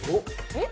えっ？